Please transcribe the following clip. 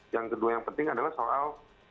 yang kedua yang penting adalah soal